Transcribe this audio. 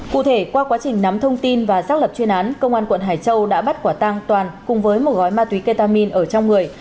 cụ thể qua quá trình nắm thông tin và xác lập chuyên án công an quận hải châu đã bắt quả tang toàn cùng với một gói ma túy ketamin ở trong người